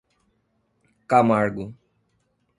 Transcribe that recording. Camargo